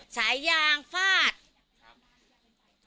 สายยางฟาดครับ